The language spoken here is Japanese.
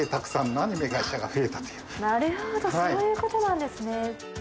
なるほどそういうことなんですね。